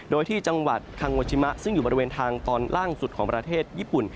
โดยที่จังหวัดคังโมชิมะซึ่งอยู่บริเวณทางตอนล่างสุดของประเทศญี่ปุ่น